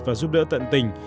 và giúp đỡ tận tình